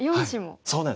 そうなんです。